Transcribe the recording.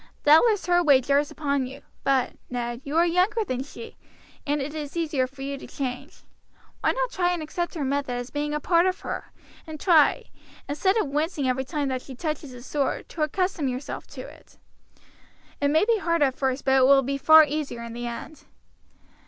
Doubtless her way jars upon you; but, Ned, you are younger than she, and it is easier for you to change. Why not try and accept her method as being a part of her, and try, instead of wincing every time that she touches the sore, to accustom yourself to it. It may be hard at first, but it will be far easier in the end."